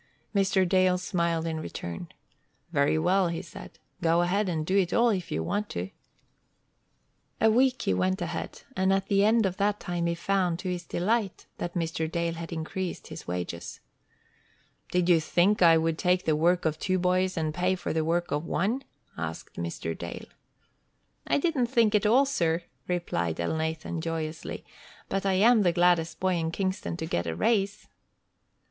Mr. Dale smiled in return. "Very well," he said. "Go ahead and do it all if you want to." A week he went ahead, and at the end of that time he found, to his delight, that Mr. Dale had increased his wages. "Did you think I would take the work of two boys and pay for the work of one?" asked Mr. Dale. "I didn't think at all, sir," replied Elnathan, joyously; "but I am the gladdest boy in Kingston to get a raise."